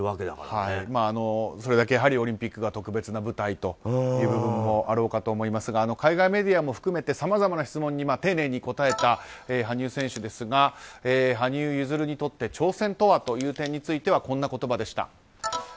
それだけオリンピックが特別な舞台という部分もあろうかと思いますが海外メディアも含めてさまざまな質問に丁寧に答えた羽生選手ですが羽生結弦にとって挑戦とは？という点についてはこんな言葉でした。